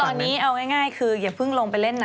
ตอนนี้เอาง่ายคืออย่าเพิ่งลงไปเล่นนะ